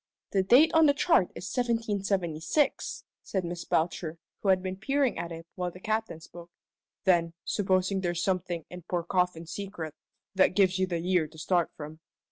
"The date on this chart is 1776," said Miss Belcher, who had been peering at it while the Captain spoke. "Then, supposing there's something in poor Coffin's secret, that gives you the year to start from.